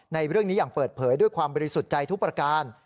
ในเรื่องนี้อย่างเปิดเผยด้วยความบริสุทธิ์ใจทุกประการ